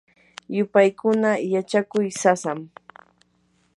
yupaykuna yachakuy sasam.